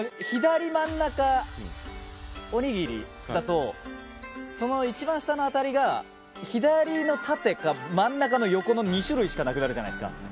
左真ん中おにぎりだとその一番下の当たりが左の縦か真ん中の横の２種類しかなくなるじゃないですか。